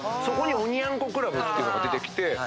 そこにおニャン子クラブが出てきて。